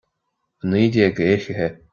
A naoi déag d'fhichithe